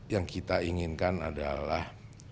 yang kita inginkan adalah